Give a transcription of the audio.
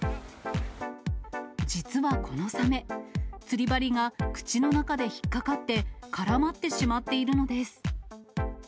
実はこのサメ、釣り針が口の中で引っ掛かって絡まってしまっているのです。